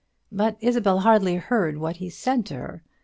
But Isabel hardly heard what he said to her.